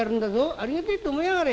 ありがてえと思いやがれ！」。